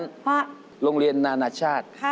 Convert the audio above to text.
ว่ะลงเรียนนานาชาติ